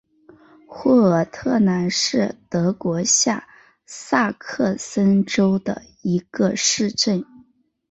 霍尔特兰是德国下萨克森州的一个市镇。